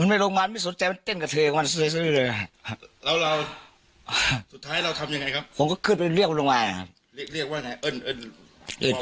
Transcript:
ผมก็ขึ้นไปเรียกว่าลงมานะครับ